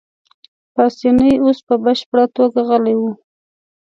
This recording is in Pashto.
پاسیني اوس په بشپړه توګه غلی وو.